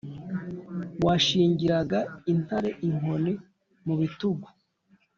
Washingiraga intare inkoni mu bitugu,